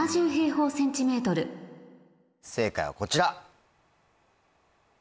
正解はこちら。